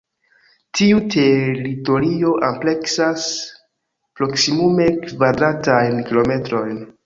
Tiu teritorio ampleksas proksimume kvadratajn kilometrojn.